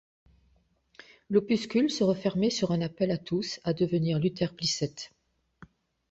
L’opuscule se refermait sur un appel à tous à devenir Luther Blissett.